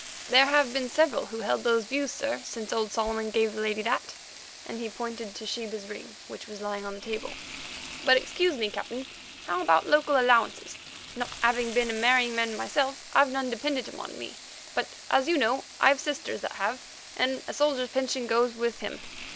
"There have been several who held those views, sir, since old Solomon gave the lady that"—and he pointed to Sheba's ring, which was lying on the table. "But excuse me, Captain; how about local allowances? Not having been a marrying man myself, I've none dependent upon me, but, as you know, I've sisters that have, and a soldier's pension goes with him.